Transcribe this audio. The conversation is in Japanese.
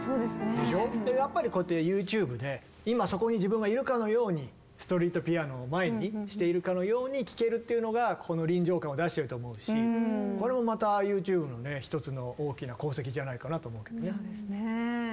やっぱりこうやってＹｏｕＴｕｂｅで今そこに自分がいるかのようにストリートピアノを前にしているかのように聴けるっていうのがこれもまたＹｏｕＴｕｂｅのね一つの大きな功績じゃないかなと思うけどね。